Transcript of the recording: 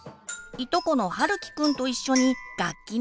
いとこのはるきくんと一緒に楽器の演奏。